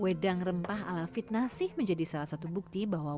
wedang rempah ala fitnasi menjadi salah satu bukti bahwa